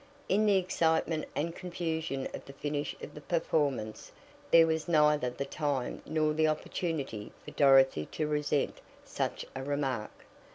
In the excitement and confusion of the finish of the performance, there was neither the time nor the opportunity for Dorothy to resent such a remark.